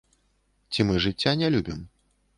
Ці мы жыцця не любім?